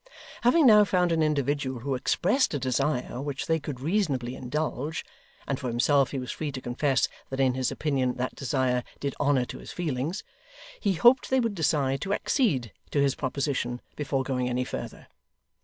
Having now found an individual who expressed a desire which they could reasonably indulge (and for himself he was free to confess that in his opinion that desire did honour to his feelings), he hoped they would decide to accede to his proposition before going any further.